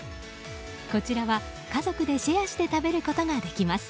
こちらは家族でシェアして食べることができます。